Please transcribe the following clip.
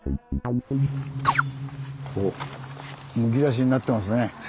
おっむき出しになってますね。